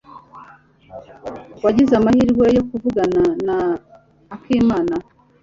Wagize amahirwe yo kuvugana na Akimana?